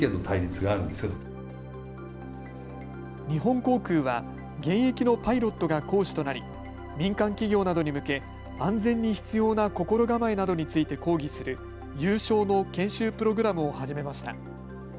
日本航空は現役のパイロットが講師となり民間企業などに向け安全に必要な心構えなどについて講義する有償の研修プログラムを始めました。